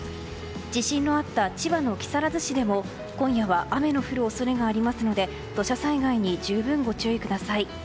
地震のあった千葉の木更津市でも今夜は雨の降る恐れがありますので土砂災害に十分ご注意ください。